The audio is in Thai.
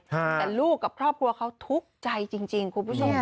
แต่ลูกกับครอบครัวเขาทุกข์ใจจริงคุณผู้ชม